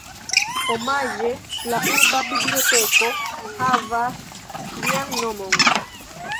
Omaĝe, la urba biblioteko havas lian nomon.